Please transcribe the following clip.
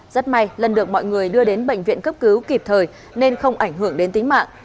rất may lân được mọi người đưa đến bệnh viện cấp cứu kịp thời nên không ảnh hưởng đến tính mạng